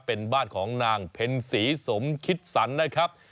เป็นบ้านของนางเพ็ญศรีสมคิดสันนะครับ